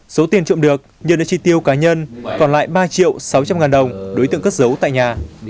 số tiền trộm được nhân đã chi tiêu cá nhân còn lại ba triệu sáu trăm linh ngàn đồng đối tượng cất giấu tại nhà